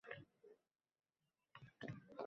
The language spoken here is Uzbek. Endi senga so‘zim: yuragingni yeng